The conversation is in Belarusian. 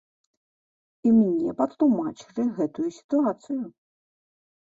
І мне патлумачылі гэтую сітуацыю.